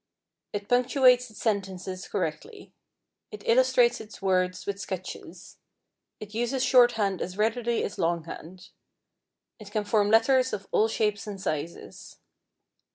It punctuates its sentences correctly. It illustrates its words with sketches. It uses shorthand as readily as longhand. It can form letters of all shapes and sizes.